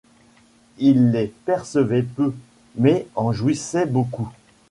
Il les percevait peu, mais en jouissait beaucoup.